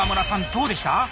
どうでした？